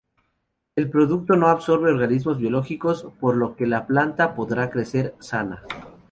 El producto no absorbe organismos biológicos, por lo que la planta podrá crecer sana.